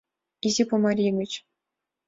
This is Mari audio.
— Изи Пумарий гыч.